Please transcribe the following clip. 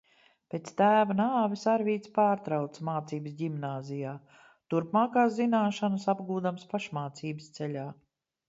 Pēc tēva nāves Arvīds pārtrauca mācības ģimnāzijā, turpmākās zināšanas apgūdams pašmācības ceļā.